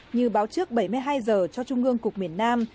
như báo trước bảy mươi hai giờ cho trung ương cục miền nam